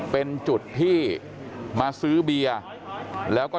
แต่ว่าวินนิสัยดุเสียงดังอะไรเป็นเรื่องปกติอยู่แล้วครับ